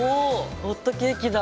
ホットケーキだ。